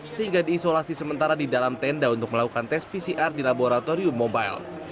sehingga diisolasi sementara di dalam tenda untuk melakukan tes pcr di laboratorium mobile